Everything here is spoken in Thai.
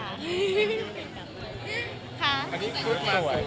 อันนี้รูปมา้สวย